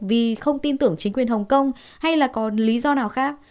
vì không tin tưởng chính quyền hồng kông hay là còn lý do nào khác